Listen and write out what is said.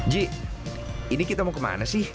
ji ini kita mau kemana sih